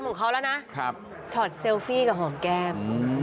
ของเขาแล้วนะช็อตเซลฟี่กับหอมแก้ม